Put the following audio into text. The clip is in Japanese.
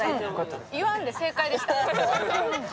言わんで正解だった。